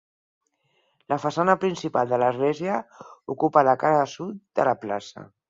La façana principal de l'església ocupa la cara sud de la plaça.